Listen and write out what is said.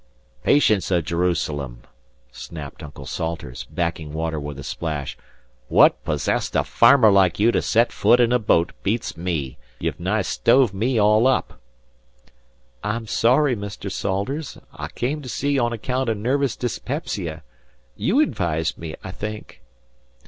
"Patience o' Jerusalem!" snapped Uncle Salters, backing water with a splash. "What possest a farmer like you to set foot in a boat beats me. You've nigh stove me all up." "I am sorry, Mr. Salters. I came to sea on account of nervous dyspepsia. You advised me, I think."